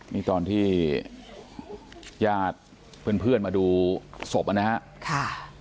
นี่ตอนที่ญาติเพื่อนมาดูศพนะครับ